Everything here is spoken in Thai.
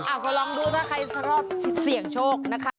ก็ลองดูถ้าใครสร้อมเสี่ยงโชคนะคะ